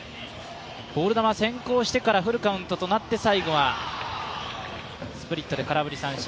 ボール球が先行してからフルカウントとなって最後はスプリットで空振り三振。